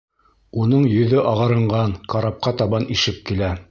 Уның йөҙө ағарынған, карапҡа табан ишеп килә.